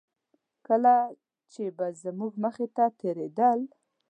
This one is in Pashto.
کله چې به زموږ مخې ته تېرېدل.